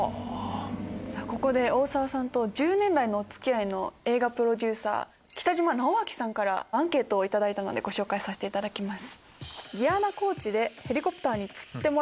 ここで大沢さんと１０年来のお付き合いの映画プロデューサー北島直明さんからアンケートを頂いたのでご紹介させていただきます。